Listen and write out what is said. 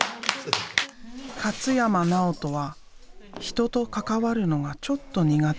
勝山直斗は人と関わるのがちょっと苦手。